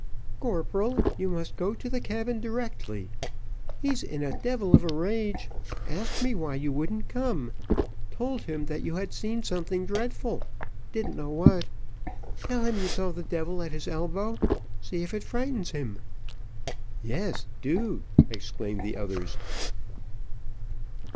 "Corporal, you must go to the cabin directly. He is in a devil of a rage asked me why you wouldn't come told him that you had seen something dreadful didn't know what. Tell him you saw the devil at his elbow see if it frightens him." "Yes, do," exclaimed the others.